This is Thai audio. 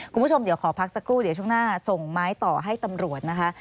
คุณผู้ชมเดี๋ยวขอพักสักครู่เดี๋ยวช่วงหน้าส่งไม้ต่อให้ตำรวจนะคะ